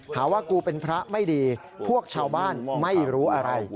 หากว่ากูเป็นพระไม่ดีพวกชาวบ้านไม่รู้อะไร